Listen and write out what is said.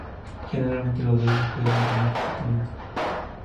Generalmente los dedos se pueden mantener extendidos.